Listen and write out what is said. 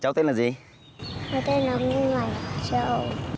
cháu tên là nguyễn văn cháu